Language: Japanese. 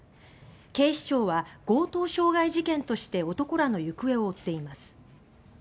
警視庁は、強盗傷害事件として男らの行方を追っています。